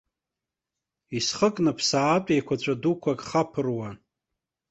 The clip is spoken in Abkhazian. Исхыкны ԥсаатә еиқәаҵәа дуқәак хаԥыруан.